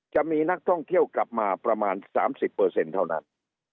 จะมีนักท่องเที่ยวกลับมาประมาณ๓๐เท่านั้น